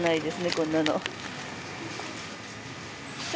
こんなの。